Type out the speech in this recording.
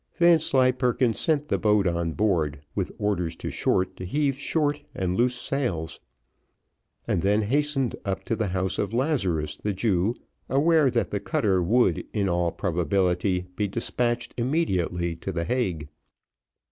Vanslyperken sent the boat on board with orders to Short, to heave short and loose sails, and then hastened up to the house of Lazarus, the Jew, aware that the cutter would, in all probability, be despatched immediately to the Hague.